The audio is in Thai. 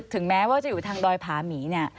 ถึงแม้ว่าจะอยู่ทางดอยผาหมีเนี่ย